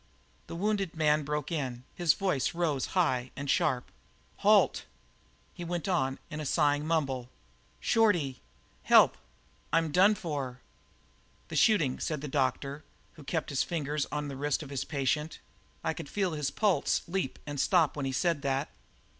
The wounded man broke in; his voice rose high and sharp: "Halt!" He went on, in a sighing mumble: "Shorty help I'm done for!" "The shooting," said the doctor, who had kept his fingers on the wrist of his patient; "I could feel his pulse leap and stop when he said that."